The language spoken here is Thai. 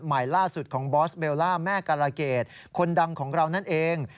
ใหม่ล่าสุดของบอสเบลล่าแม่การาเกดคนดังของเรานั่นเอง